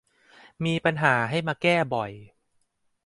มีปัญหาให้มาแก้บ่อย